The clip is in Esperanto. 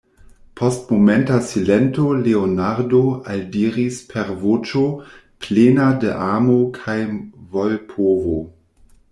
Post momenta silento Leonardo aldiris per voĉo plena de amo kaj volpovo: